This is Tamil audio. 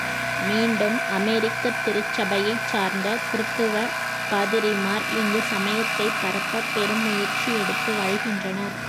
மீண்டும் அமெரிக்கத் திருச்சபையைச் சார்ந்த கிருத்தவப் பாதிரிமார் இங்கு சமயத்தைப் பரப்பப் பெரும் முயற்சி எடுத்து வருகின்றனர்.